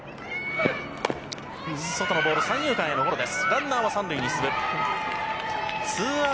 外のボール、三遊間へのゴロです。